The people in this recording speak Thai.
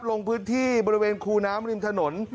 ลงพื้นที่บริเวณคูน้ำริมถนน